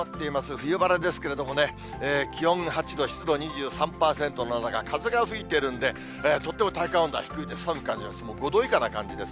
冬晴れですけれどもね、気温８度、湿度２３％の中、風が吹いてるんで、とっても体感温度は低いんで寒く感じます。